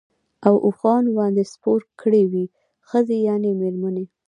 او اوښانو باندي سپور کړی وې، ښځي يعني ميرمنې